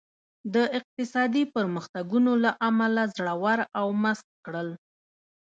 د اقتصادي پرمختګونو له امله زړور او مست کړل.